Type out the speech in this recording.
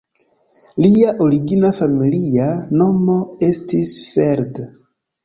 Lia origina familia nomo estis "Feld".